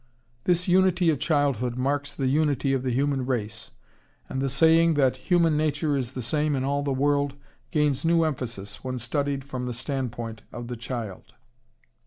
This unity of childhood marks the unity of the human race, and the saying that "human nature is the same in all the world" gains new emphasis when studied from the standpoint of the child.